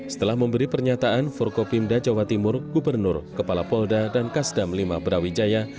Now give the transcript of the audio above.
setelah memberi pernyataan forkopimda jawa timur gubernur kepala polda dan kasdam lima brawijaya